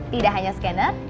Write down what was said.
tidak hanya scanner